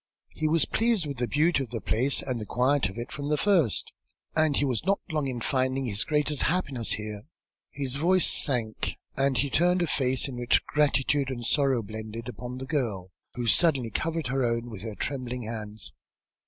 He was pleased with the beauty of the place and the quiet of it, from the first, and he was not long in finding his greatest happiness here." His voice sank, and he turned a face in which gratitude and sorrow blended, upon the girl who suddenly covered her own with her trembling hands.